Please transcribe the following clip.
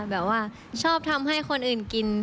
แบบว่าชอบทำให้คนอื่นกิน